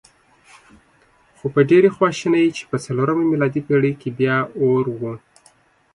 خو په ډېرې خواشینۍ چې په څلورمه میلادي پېړۍ کې بیا اور و.